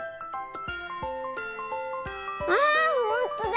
あほんとだ！